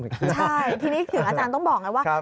ใช่ทีนี้ถึงอาจารย์ต้องบอกไงว่า